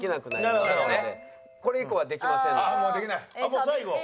もう最後？